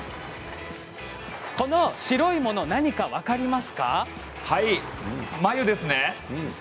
この白いもの何か分かりますか？